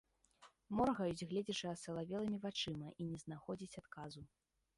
Моргаюць, гледзячы асалавелымі вачыма, і не знаходзяць адказу.